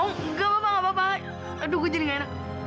oh enggak bapak gak apa apa aduh gue jadi gak enak